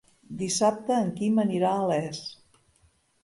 Dissabte en Quim anirà a Les.